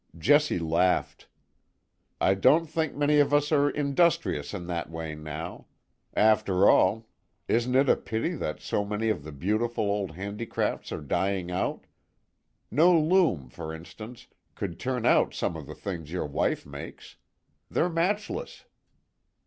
Jessie laughed. "I don't think many of us are industrious in that, way now. After all, isn't it a pity that so many of the beautiful old handicrafts are dying out? No loom, for instance, could turn out some of the things your wife makes. They're matchless."